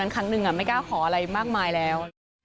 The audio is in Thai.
ตัวนั้นครั้งนึงไม่กล้าขออะไรมากมายแล้ว